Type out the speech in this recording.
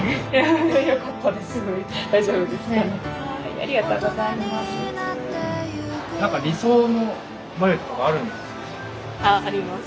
ありがとうございます。